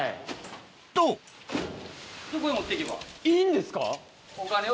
といいんですか？